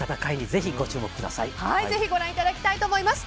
ぜひご覧いただきたいと思います。